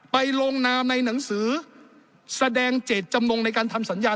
ลงนามในหนังสือแสดงเจตจำนงในการทำสัญญา